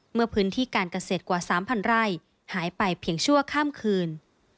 เมื่อพื้นที่การเกษตรกว่า๓๐๐ไร่หายไปเพียงชั่วข้ามคืน